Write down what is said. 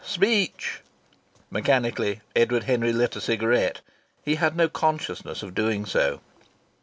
Speech!" Mechanically Edward Henry lit a cigarette. He had no consciousness of doing so.